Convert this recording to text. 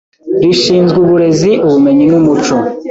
rishinzwe uburezi Ubumenyi n’Umuco